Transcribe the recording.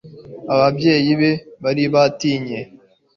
ababyeyi be bari batinye